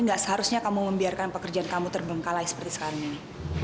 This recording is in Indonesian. gak seharusnya kamu membiarkan pekerjaan kamu terbengkalai seperti sekarang ini